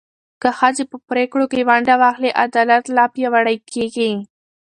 که ښځې په پرېکړو کې ونډه واخلي، عدالت لا پیاوړی کېږي.